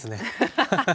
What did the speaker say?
ハハハハ。